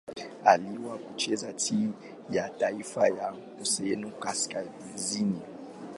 Aliwahi kucheza timu ya taifa ya Masedonia Kaskazini.